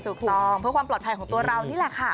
ถูกต้องเพื่อความปลอดภัยของตัวเรานี่แหละค่ะ